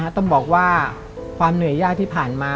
ต้องบอกว่าความเหนื่อยยากที่ผ่านมา